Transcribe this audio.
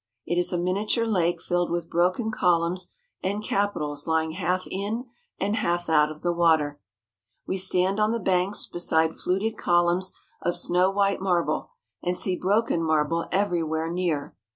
It is a miniature lake filled with broken columns and capitals lying half in and half out of the water. We stand on the banks beside fluted columns of snow white marble, and see broken marble everywhere near.